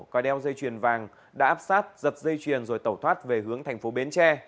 có đeo dây chuyền vàng đã áp sát giật dây chuyền rồi tẩu thoát về hướng thành phố bến tre